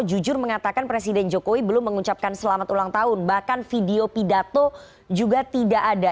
jujur mengatakan presiden jokowi belum mengucapkan selamat ulang tahun bahkan video pidato juga tidak ada